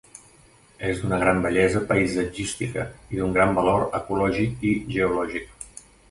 És d'una gran bellesa paisatgística i d'un gran valor ecològic i geològic.